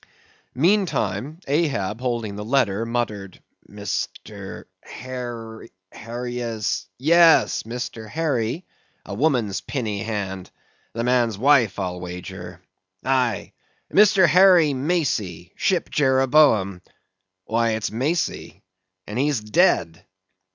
Meantime, Ahab holding the letter, muttered, "Mr. Har—yes, Mr. Harry—(a woman's pinny hand,—the man's wife, I'll wager)—Aye—Mr. Harry Macey, Ship Jeroboam;—why it's Macey, and he's dead!"